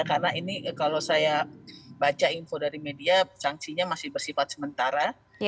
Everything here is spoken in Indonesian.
karena ini kalau saya baca info dari media sanksinya masih bersifat sementara